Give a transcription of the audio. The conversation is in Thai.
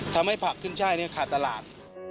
ผักขึ้นช่ายขาดตลาด